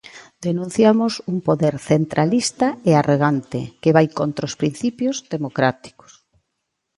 Denunciamos un poder centralista e arrogante que vai contra os principios democráticos.